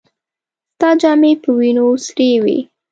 ستا جامې په وينو سرې وې.